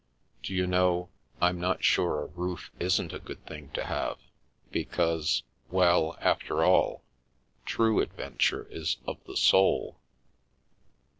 Do you know, I'm not sure a roof isn't a good thing to have, because — well, after all, true adventure is of the soul."